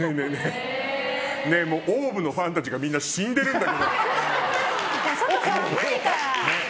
ねえ、ＯＷＶのファンたちがみんな死んでるんだけど。